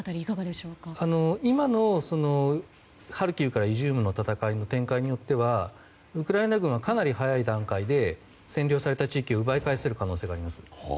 今のハルキウからイジュームの戦いの展開によってはウクライナ軍はかなり早い段階で占領された地域を奪い返せる可能性があります。